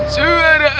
suara apa itu